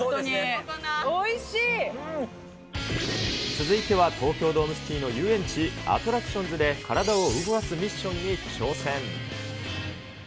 続いては東京ドームシティの遊園地、アトラクションズで、体を動かすミッションに挑戦。